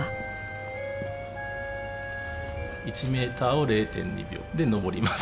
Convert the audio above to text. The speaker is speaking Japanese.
１メーターを０．２秒で登ります。